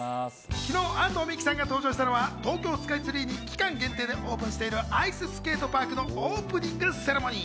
昨日、安藤美姫さんが登場したのは東京スカイツリーに期間限定でオープンしているアイススケートパークのオープニングセレモニー。